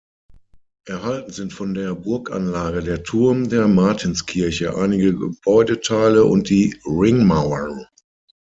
Erhalten sind von der Burganlage der Turm der Martinskirche, einige Gebäudeteile und die Ringmauer.